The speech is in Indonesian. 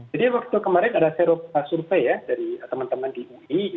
jadi waktu kemarin ada serobot survei ya dari teman teman di ui